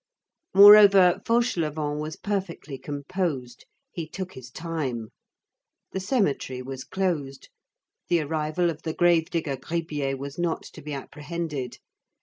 Moreover, Fauchelevent was perfectly composed. He took his time. The cemetery was closed. The arrival of the grave digger Gribier was not to be apprehended.